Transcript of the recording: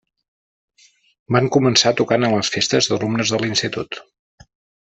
Van començar tocant en les festes d'alumnes de l'institut.